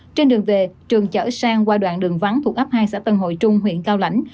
trên đường về trường chở sang qua đoạn đường vắng thuộc ấp hai xã tân hội trung huyện cao lãnh